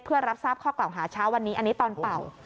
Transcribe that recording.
เพื่อรับทราบข้อกล่าวหาเช้าวันนี้อันนี้ตอนเป่า